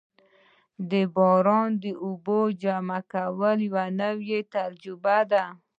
د باراني اوبو جمع کول یوه نوې تجربه ده.